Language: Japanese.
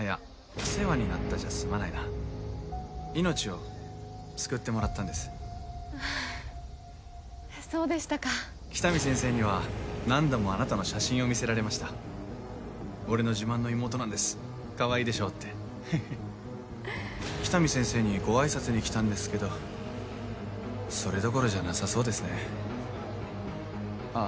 お世話になったじゃ済まないな命を救ってもらったんですそうでしたか喜多見先生には何度もあなたの写真を見せられました俺の自慢の妹なんですかわいいでしょうって喜多見先生にご挨拶に来たんですけどそれどころじゃなさそうですねああ